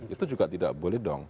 itu juga tidak boleh dong